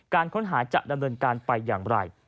การค้นหาจะดำเนินการไปอย่างไร